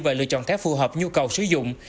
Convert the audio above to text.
và lựa chọn thẻ phù hợp nhu cầu sử dụng